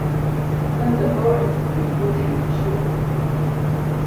Anda truḥemt deg lgunji n tefsut?